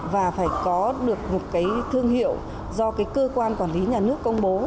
và phải có được một cái thương hiệu do cái cơ quan quản lý nhà nước công bố